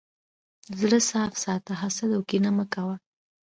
زړه صفا ساته، حسد او کینه مه کوه.